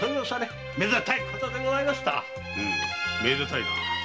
うむめでたいな。